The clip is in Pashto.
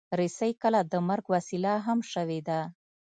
رسۍ کله د مرګ وسیله هم شوې ده.